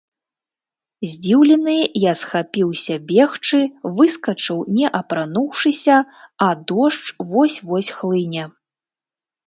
Здзіўлены, я схапіўся бегчы, выскачыў не апрануўшыся, а дождж вось-вось хлыне.